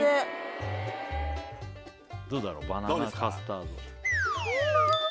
どうだろうバナナカスタードどうですか？